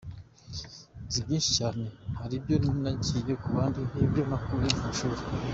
Nzi byinshi cyane, hari ibyo nigiye ku bandi n’ibyo nakuye mu ishuri.